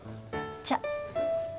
じゃあ！